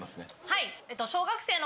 はい！